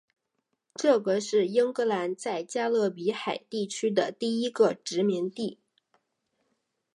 这个是英格兰在加勒比海地区的第一个殖民地。